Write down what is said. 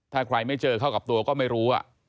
ถ้าใครไม่เจอเข้ากับตัวก็ไม่รู้